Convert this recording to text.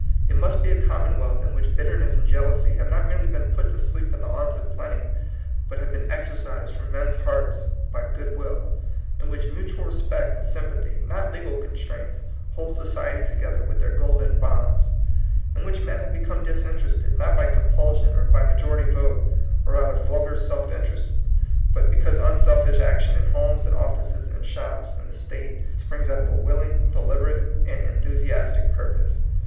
It must be a commonwealth in which bit terness and jealousy have not merely been put to sleep in the arms of plenty, but have been exorcised from men's hearts by good will; in which mutual respect and sym pathy, not legal constraints, hold society together with their golden bonds ; in which men have become disinterested, not by com pulsion, or by majority vote, or out of vulgar self interest, but because unselfish action in homes, in offices, in shops, in the state, springs out of a willing, deliberate, and enthusiastic purpose.